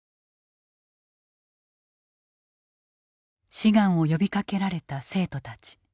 志願を呼びかけられた生徒たち。